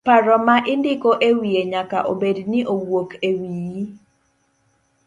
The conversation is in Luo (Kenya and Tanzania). Paro ma indiko ewiye nyaka obed ni owuok ewiyi.